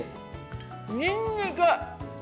にんにく！